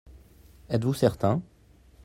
Êtes-vous certain ?